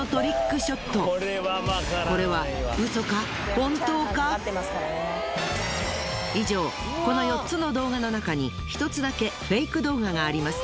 鋭い頭スレッスレでこれは以上この４つの動画の中に１つだけフェイク動画があります。